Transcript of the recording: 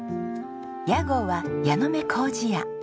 屋号は矢ノ目糀屋。